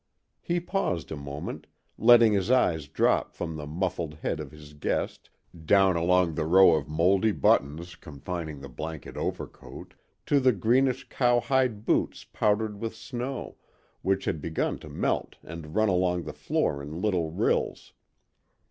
He paused a moment, letting his eyes drop from the muffled head of his guest, down along the row of moldy buttons confining the blanket overcoat, to the greenish cowhide boots powdered with snow, which had begun to melt and run along the floor in little rills.